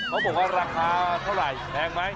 เขาบอกว่าราคาเท่าไหร่แพงไหม